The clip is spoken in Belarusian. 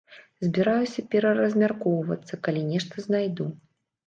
Збіраюся пераразмяркоўвацца, калі нешта знайду.